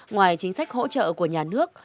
ngoài chính sách hỗ trợ của nhà nước